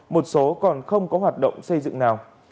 một số còn không có hoạt động xây dựng nào